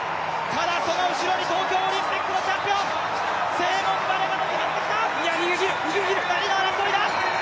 その後ろに東京オリンピックのチャンピオン、セレモン・バレガが迫ってきた！